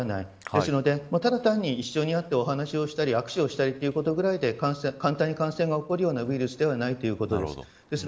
ですので、ただ単に人に会ってお話したり握手したりということぐらいで簡単に感染が起こるようなウイルスではないということです。